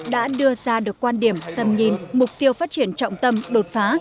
đã đưa ra được quan điểm tầm nhìn mục tiêu phát triển trọng tâm đột phá